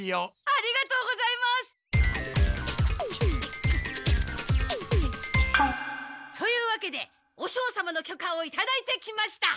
ありがとうございます！というわけで和尚様のきょかをいただいてきました！